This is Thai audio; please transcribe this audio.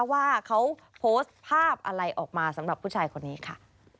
ว่าเขาโพสต์ภาพอะไรออกมาสำหรับผู้ชายคนนี้ค่ะ